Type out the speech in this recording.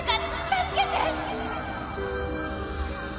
助けて！